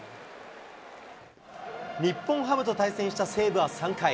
日本ハムと対戦した西武は３回。